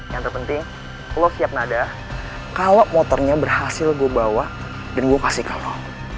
yang terpenting lo siap nada kalau motornya berhasil gue bawa dan gue kasih kapal